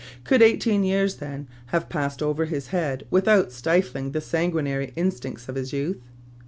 Could eighteen years, then, have passed over his head without stifling the san guinary instincts of his youth